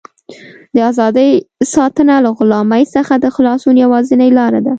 د ازادۍ ساتنه له غلامۍ څخه د خلاصون یوازینۍ لاره ده.